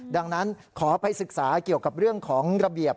ดังนั้นขอไปศึกษาเกี่ยวกับเรื่องของระเบียบ